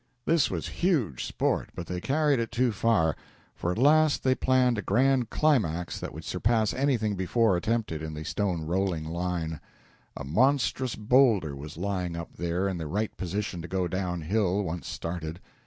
This was huge sport, but they carried it too far. For at last they planned a grand climax that would surpass anything before attempted in the stone rolling line. A monstrous boulder was lying up there in the right position to go down hill, once started.